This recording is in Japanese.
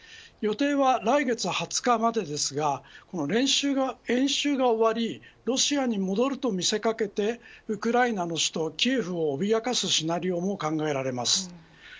予定は来月２０日までですが演習が終わりロシアに戻ると見せかけてウクライナの首都キエフを脅かすシナリオも考えられます。